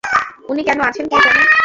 উনি কেন আছেন কে জানে।